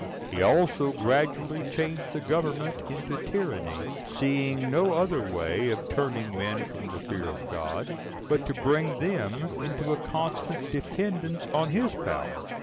He also gradually changed the government into tyranny, seeing no other way of turning men from the fear of God, but to bring them into a constant dependence on his power.